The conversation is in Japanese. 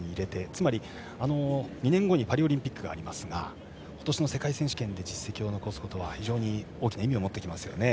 つまり２年後にパリオリンピックがありますが今年の世界選手権で実績を残すことは非常に大きな意味を持ってきますよね